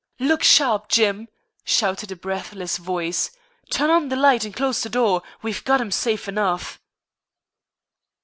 "Look sharp, Jim," shouted a breathless voice. "Turn on the light and close the door. We've got him safe enough."